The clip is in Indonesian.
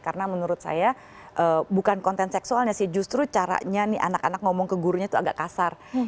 karena menurut saya bukan konten seksualnya sih justru caranya nih anak anak ngomong ke gurunya itu agak kasar